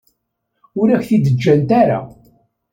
Ur ak-t-id-ǧǧant ara.